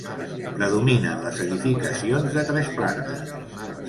Predominen les edificacions de tres plantes.